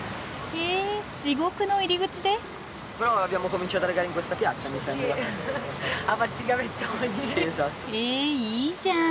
えいいじゃん。